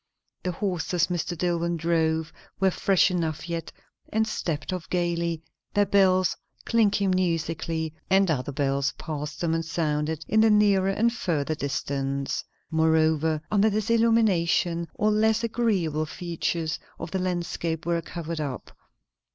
The horses Mr. Dillwyn drove were fresh enough yet, and stepped off gaily, their bells clinking musically; and other bells passed them and sounded in the nearer and further distance. Moreover, under this illumination all less agreeable features of the landscape were covered up.